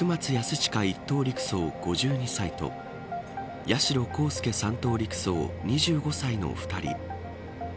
親１等陸曹、５２歳と八代航佑３等陸曹２５歳の２人。